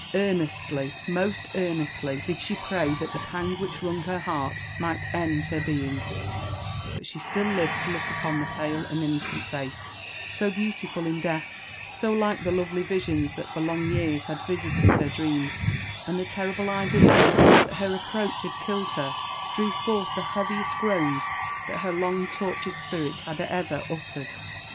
Earnestly, most earnestly did she pray that the pang which wrung her heart might end her being; but she still lived to look upon that pale and innocent face, so beautiful in death, so like the lovely visions that for long years had visited her dreams, and the terrible idea that her approach had killed her, drew forth the heaviest groans that her long*tortured spirit had ever uttered.